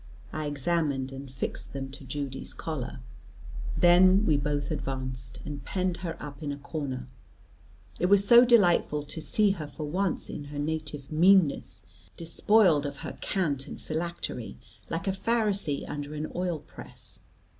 I examined and fixed them to Judy's collar. Then we both advanced, and penned her up in a corner. It was so delightful to see her for once in her native meanness, despoiled of her cant and phylactery, like a Pharisee under an oil press.